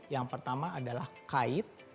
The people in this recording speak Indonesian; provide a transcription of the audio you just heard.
yang pertama adalah kait